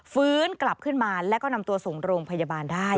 ฟื้นกลับขึ้นมาแล้วก็นำตัวส่งโรงพยาบาลได้